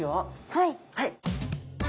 はい。